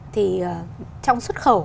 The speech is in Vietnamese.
thì trong xuất khẩu